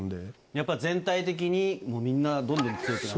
やっぱり全体的にみんなどんどん強くなって。